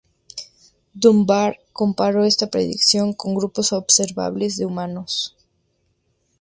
Dunbar comparó esta predicción con grupos observables de humanos.